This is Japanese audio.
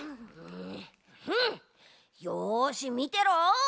よしみてろ！